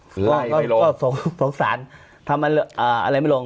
ก็สงสารทำอะไรไม่ลง